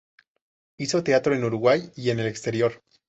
Hizo teatro en Uruguay y en el exterior.